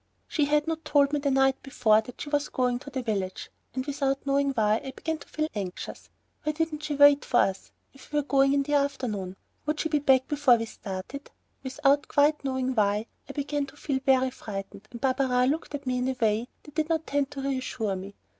She had not told me the night before that she was going to the village, and without knowing why, I began to feel anxious. Why didn't she wait for us, if we were going in the afternoon? Would she be back before we started? Without knowing quite why, I began to feel very frightened, and Barberin looked at me in a way that did not tend to reassure me.